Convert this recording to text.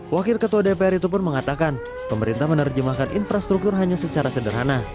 wakil ketua dpr itu pun mengatakan pemerintah menerjemahkan infrastruktur hanya secara sederhana